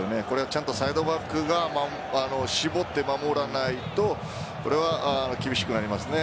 ちゃんとサイドバックが絞って守らないとこれは厳しくなりますね。